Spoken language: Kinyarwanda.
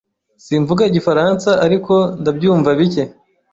Simvuga Igifaransa, ariko ndabyumva bike.